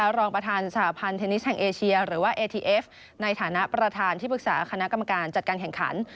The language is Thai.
รองประธานสหพันธ์เทนนิสแห่งเอเชียหรือว่าเอทีเอฟในฐานะประธานที่ปรึกษาคณะกรรมการจัดการแข่งขัน